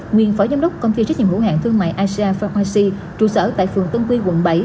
nguyên phó giám đốc công ty trách nhiệm hữu hạng thương mại asia pharmacy trụ sở tại phường tân quy quận bảy